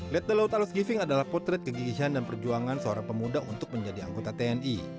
let the laut alos giving adalah potret kegigihan dan perjuangan seorang pemuda untuk menjadi anggota tni